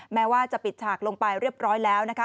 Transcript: แม้ว่าจะปิดฉากลงไปเรียบร้อยแล้วนะคะ